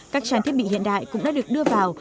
các trang thiết bị hiện đại cũng đã được đưa vào